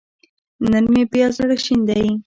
نن مې بيا زړه شين دی